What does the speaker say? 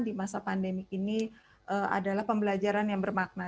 di masa pandemi ini adalah pembelajaran yang bermakna